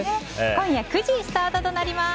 今夜９時スタートとなります。